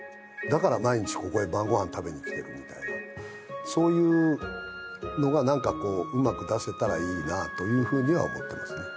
だから毎日ここへ晩ご飯食べに来てるみたいなそういうのが何かこううまく出せたらいいなというふうには思ってますね